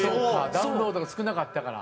ダウンロードが少なかったから。